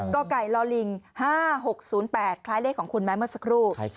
ก็ไก่ลอลิง๕๖๐๘คล้ายเลขของคุณแม่เมอร์สักรูป